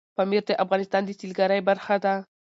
پامیر د افغانستان د سیلګرۍ برخه ده.